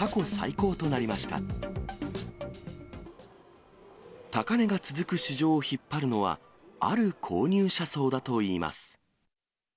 高値が続く市場を引っ張るのは、ある購入者層だといいます。